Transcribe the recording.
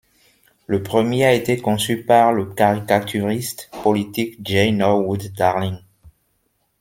Le premier ' a été conçu par le caricaturiste politique Jay Norwood Darling.